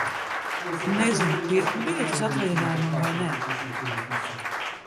Nezinu, pirkt biļetes atvaļinājumam vai nē.